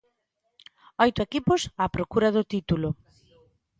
Oito equipos á procura do título.